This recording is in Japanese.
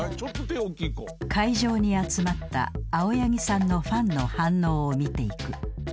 ［会場に集まった青柳さんのファンの反応を見ていく］